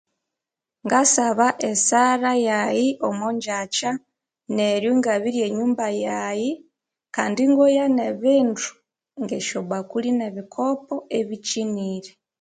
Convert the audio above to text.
Ngasaba esara yayi omwangyakya, neryo ingabirya enyumba yayi kandi ingoya nebindu ngesyo bakuli nebikopo ebikyinire.